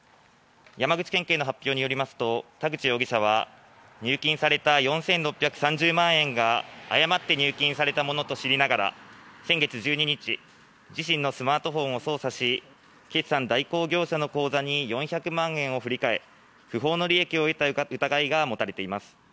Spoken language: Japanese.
山口県警の発表によりますと田口容疑者は入金された４６３０万円が誤って入金されたものと知りながら先月１２日自身のスマートフォンを操作し決済代行業者の口座に４００万円を振り替え不法の利益を得た疑いが持たれています。